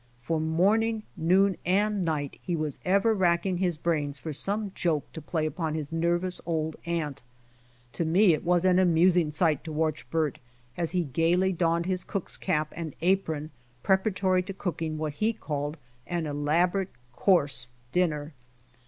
For morning, noon and night he was ever racking his brains for some joke to play upon his nervous old aunt. To me it was an amusing sight to watch Bert, as he gaily donned his cook's cap and apron preparatory to cooking what he called "an 118 BY OX TEAM TO CALIFORNIA elaborate coarse dinner."